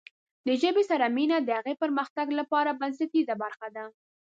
د ژبې سره مینه د هغې پرمختګ لپاره بنسټیزه برخه ده.